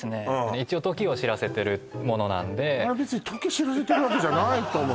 一応時を知らせてるものなんであれ別に時知らせてるわけじゃないと思う